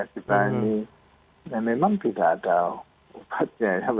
kita ini memang tidak ada obatnya